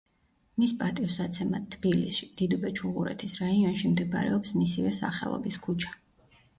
მის პატივსაცემად თბილისში, დიდუბე-ჩუღურეთის რაიონში მდებარეობს მისივე სახელობის ქუჩა.